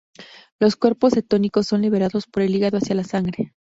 Los cuerpos cetónicos son liberados por el hígado hacia la sangre.